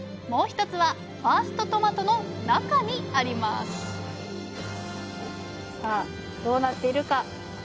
もう１つはファーストトマトの中にありますさあどうなっているか。